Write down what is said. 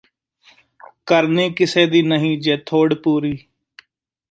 ਕਰਨੀ ਕਿਸੇ ਦੀ ਨਹੀਂ ਜੇ ਥੋੜ ਪੂਰੀ